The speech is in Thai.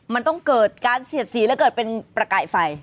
มันต้องเกิดการเสียดสีและเกิดเป็นประกายไฟ